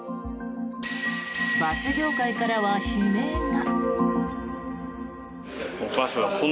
バス業界からは悲鳴が。